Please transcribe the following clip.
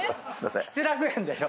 『失楽園』でしょ。